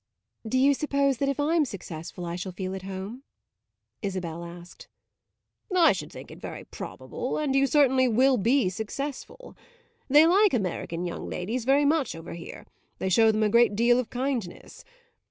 "Do you suppose that if I'm successful I shall feel at home?" Isabel asked. "I should think it very probable, and you certainly will be successful. They like American young ladies very much over here; they show them a great deal of kindness.